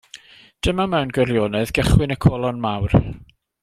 Dyma, mewn gwirionedd, gychwyn y colon mawr.